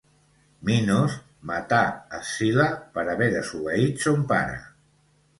Minos matà Escil·la per haver desobeït son pare.